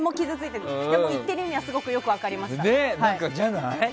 でも言っている意味はすごくよく分かりました。